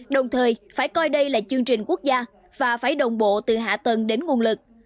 đồng thời phải coi đây là chương trình quốc gia và phải đồng bộ từ hạ tầng đến nguồn lực